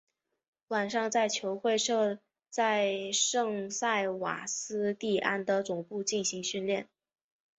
晚上在球会设在圣塞瓦斯蒂安的总部进行训练。